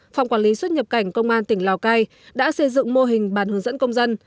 phòng quản lý xuất nhập cảnh công an tỉnh lào cai đã xây dựng mô hình bàn hướng dẫn công dân